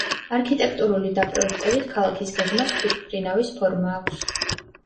არქიტექტურული დაპროექტებით ქალაქის გეგმას თვითმფრინავის ფორმა აქვს.